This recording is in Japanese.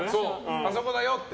あそこだよって。